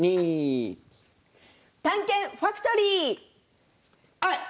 「探検ファクトリー」！